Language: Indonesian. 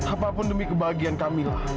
apapun demi kebahagiaan camilla